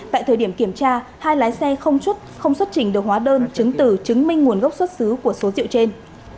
tại thời điểm kiểm tra hai lái xe không xuất trình được hóa đơn chứng tử chứng minh nguồn gốc xuất xứ của số rượu trên